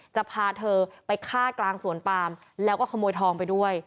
จะพาเธอไปฆ่ากลางสวนปามแล้วก็ขโมยทองไปด้วย